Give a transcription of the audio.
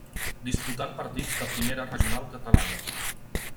Disputant partits de Primera Regional Catalana.